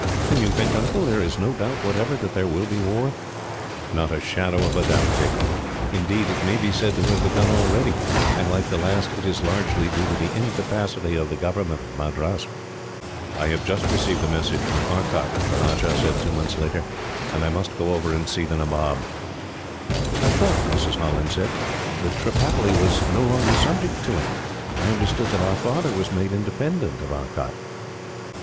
"Then you think, Uncle, there is no doubt whatever that there will be war?" "Not a shadow of doubt, Dick indeed, it may be said to have begun already; and, like the last, it is largely due to the incapacity of the government of Madras." "I have just received a message from Arcot," the Rajah said, two months later, "and I must go over and see the Nabob." "I thought," Mrs. Holland said, "that Tripataly was no longer subject to him. I understood that our father was made independent of Arcot?"